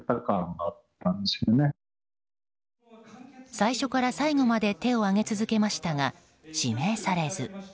最初から最後まで手を挙げ続けましたが指名されず。